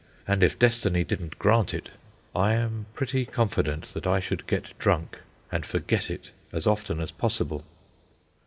And if Destiny didn't grant it, I am pretty confident that I should get drunk and forget it as often as possible.